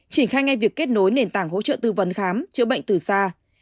triển khai ngay việc kết nối nền tảng hỗ trợ tư vấn khám chữa bệnh từ xa